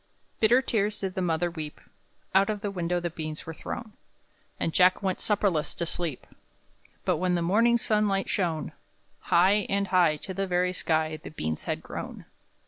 Bitter tears did the mother weep; Out of the window the beans were thrown, And Jack went supperless to sleep; But, when the morning sunlight shone, High, and high, to the very sky, The beans had grown.